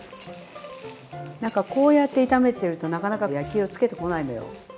なんかこうやって炒めてるとなかなか焼き色つけてこないのよ。